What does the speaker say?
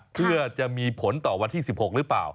เพื่อจะมีผลต่อวันที่๑๖หรือเปล่า